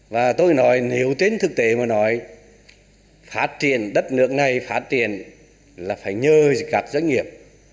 và tôi nói nếu trên thực tế mà nói phát triển đất nước này phát triển là phải nhờ các doanh nghiệp